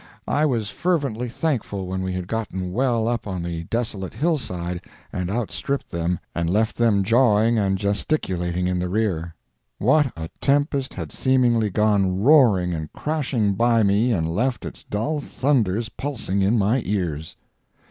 I was fervently thankful when we had gotten well up on the desolate hillside and outstripped them and left them jawing and gesticulating in the rear. What a tempest had seemingly gone roaring and crashing by me and left its dull thunders pulsing in my ears!